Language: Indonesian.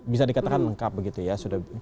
bisa dikatakan lengkap begitu ya sudah berhasil